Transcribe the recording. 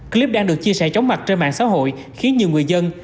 clip đang được chia sẻ chóng mặt trên mạng xã hội khiến nhiều người dân